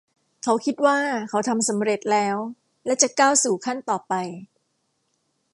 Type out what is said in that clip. เขาคิดว่าเขาทำสำเร็จแล้ว และจะก้าวสู่ขั้นต่อไป